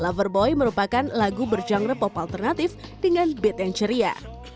loverboy merupakan lagu berjang repop alternatif dengan beat yang ceria